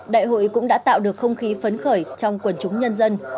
đại hội cũng đã tạo được không khí phấn khởi trong quần chúng nhân dân